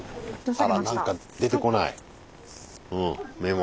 あら何か出てこないメモが。